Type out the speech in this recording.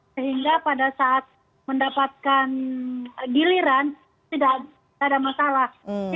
sehingga pada saat mendapatkan giliran tidak ada masalah